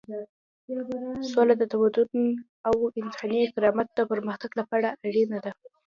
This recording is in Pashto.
سوله د تمدن او انساني کرامت د پرمختګ لپاره اړینه ده.